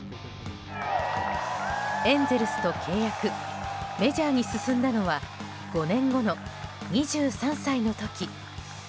エンゼルスと契約メジャーに進んだのは５年後の２３歳の時。